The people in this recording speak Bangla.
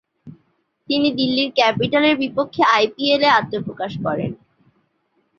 তিনি দিল্লির ক্যাপিটাল এর বিপক্ষে আইপিএলে আত্মপ্রকাশ করেন।